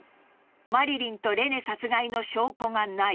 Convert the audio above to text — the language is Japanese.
マリリンとレネ殺害の証拠がない。